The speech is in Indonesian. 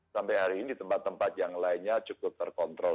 sampai hari ini tempat tempat yang lainnya cukup terkontrol